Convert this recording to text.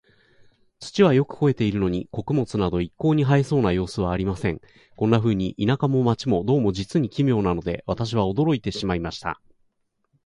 土はよく肥えているのに、穀物など一向に生えそうな様子はありません。こんなふうに、田舎も街も、どうも実に奇妙なので、私は驚いてしまいました。